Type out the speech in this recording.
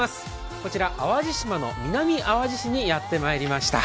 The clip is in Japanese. こちら、淡路島の南あわじ市にやってまいりました。